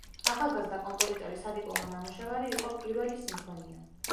ახალგაზრდა კომპოზიტორის სადიპლომო ნამუშევარი იყო „პირველი სიმფონია“.